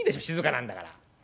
静かなんだから。